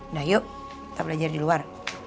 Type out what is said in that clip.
nah yuk kita belajar di luar